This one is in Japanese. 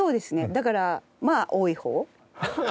だからまあ多い方。